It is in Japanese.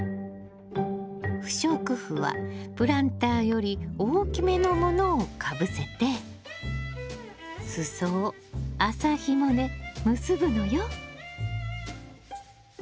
不織布はプランターより大きめのものをかぶせて裾を麻ひもで結ぶのよ。